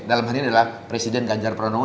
dalam hal ini adalah presiden ganjar pranowo